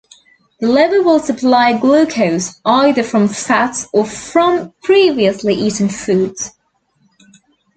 The liver will supply glucose either from fats or from previously eaten foods.